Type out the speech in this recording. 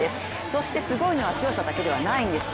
そしてすごいのは強さだけではないんです。